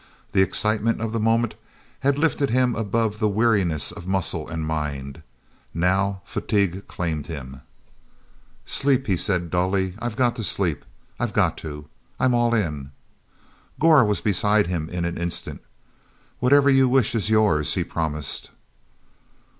The excitement of the moment had lifted him above the weariness of muscle and mind. Now fatigue claimed him. "Sleep," he said dully. "I've got to sleep. I've got to. I'm all in." Gor was beside him in an instant. "Whatever you wish is yours," he promised.